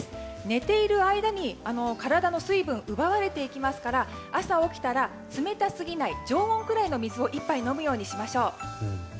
寝ている間に体の水分が奪われていきますから朝起きたら冷たすぎない常温くらいの水を１杯飲むようにしましょう。